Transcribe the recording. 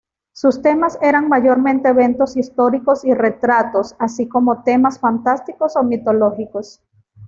Sus temas eran mayormente eventos históricos y retratos, así como temas fantásticos o mitológicos.